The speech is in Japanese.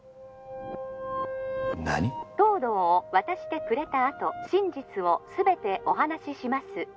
☎東堂を渡してくれたあと☎真実を全てお話しします